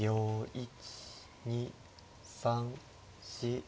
１２３４５。